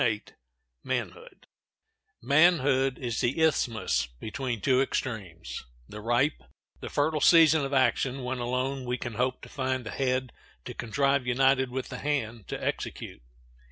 ] Manhood is the isthmus between two extremes—the ripe, the fertile season of action, when alone we can hope to find the head to contrive united with the hand to execute.